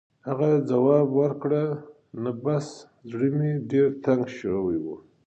هغه ځواب ورکړ: «نه، بس زړه مې ډېر تنګ شوی و.